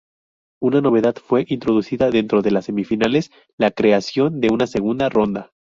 Una novedad fue introducida dentro de las semifinales: la creación de una segunda ronda.